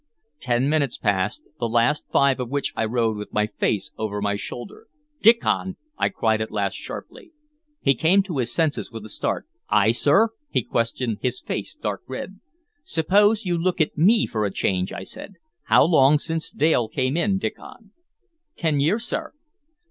Ten minutes passed, the last five of which I rode with my face over my shoulder. "Diccon!" I cried at last, sharply. He came to his senses with a start. "Ay, sir?" he questioned, his face dark red. "Suppose you look at me for a change," I said. "How long since Dale came in, Diccon?" "Ten years, sir."